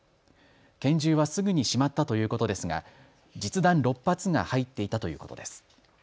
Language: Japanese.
拳銃はすぐにしまったということですが実弾６発が入っていたということです。